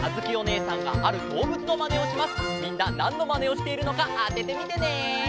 みんななんのまねをしているのかあててみてね！